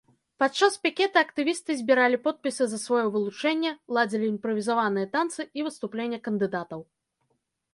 Падчас пікета актывісты збіралі подпісы за сваё вылучэнне, ладзілі імправізаваныя танцы і выступлення кандыдатаў.